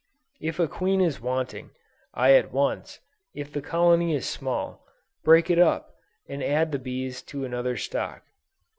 If a queen is wanting, I at once, if the colony is small, break it up, and add the bees to another stock.